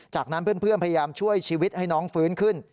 จากนั้นเพื่อนพยายามช่วยชีวิตให้น้องฟื้นขึ้น